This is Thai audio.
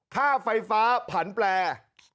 ค่าไฟฟ้าผันแปล